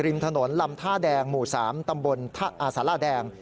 ริมถนนลำท่าแดงหมู่๓ตำบลสาราแดง